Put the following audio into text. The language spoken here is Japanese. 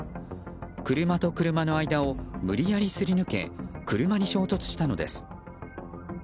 車と車の間を無理やりすり抜け車に衝突したのです。